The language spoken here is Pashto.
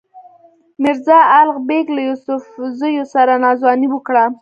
میرزا الغ بېګ له یوسفزیو سره ناځواني وکړه.